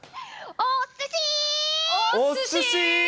おすし。